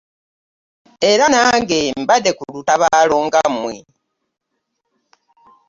Era nange mbadde ku lutabaalo nga mmwe.